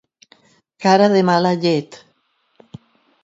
Cara de mala llet.